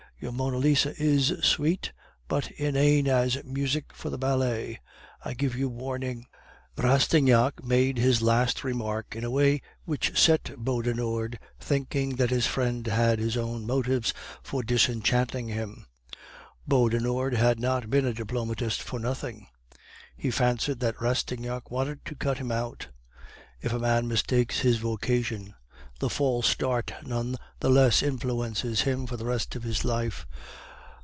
Your Monna Lisa is sweet, but inane as music for the ballet; I give you warning.' "Rastignac made this last remark in a way which set Beaudenord thinking that his friend had his own motives for disenchanting him; Beaudenord had not been a diplomatist for nothing; he fancied that Rastignac wanted to cut him out. If a man mistakes his vocation, the false start none the less influences him for the rest of his life.